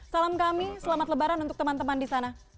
salam kami selamat lebaran untuk teman teman di sana